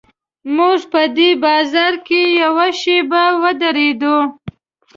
موږ په دې بازار کې یوه شېبه ودرېدو.